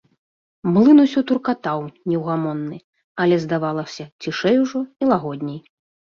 Млын усё туркатаў, неўгамонны, але, здавалася, цішэй ужо і лагодней.